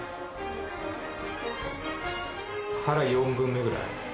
腹４分目くらい？